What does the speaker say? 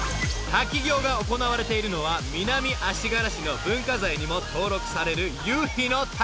［滝行が行われているのは南足柄市の文化財にも登録される夕日の滝］